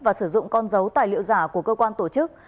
và sử dụng con dấu tài liệu giả của cơ quan tổ chức